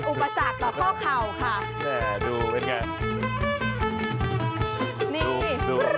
ทำตามน้องอยู่นี้ค่ะ